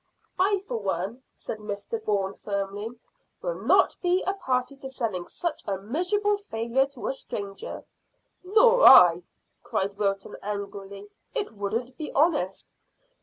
"I, for one," said Mr Bourne firmly, "will not be a party to selling such a miserable failure to a stranger." "Nor I," cried Wilton angrily. "It wouldn't be honest."